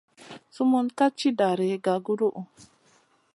Sumun ka tì dari gaguduhu.